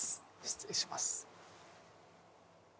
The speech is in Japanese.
失礼します。